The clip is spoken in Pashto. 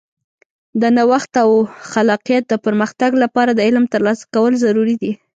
د نوښت او خلاقیت د پرمختګ لپاره د علم ترلاسه کول ضروري دي.